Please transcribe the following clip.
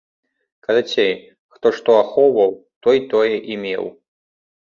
Карацей, хто што ахоўваў, той тое і меў.